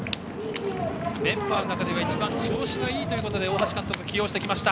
メンバーの中では一番調子がいいということで大橋監督、起用してきました。